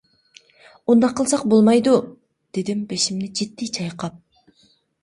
-ئۇنداق قىلساق بولمايدۇ؟ ، -دېدىم بېشىمنى جىددىي چايقاپ.